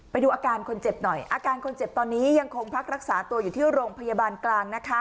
ไปดูอาการคนเจ็บหน่อยอาการคนเจ็บตอนนี้ยังคงพักรักษาตัวอยู่ที่โรงพยาบาลกลางนะคะ